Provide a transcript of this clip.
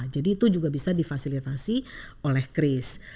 jadi itu juga bisa difasilitasi oleh kris